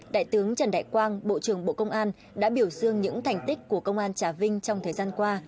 đại tướng trần đại quang bộ trưởng bộ công an đã biểu dương những thành tích của công an trà vinh trong thời gian qua